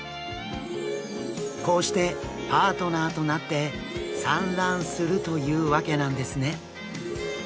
こうしてパートナーとなって産卵するというわけなんですね。